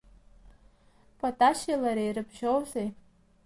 Паташьи лареи ирыбжьоузеи?